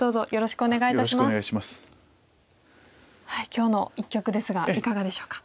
今日の一局ですがいかがでしょうか？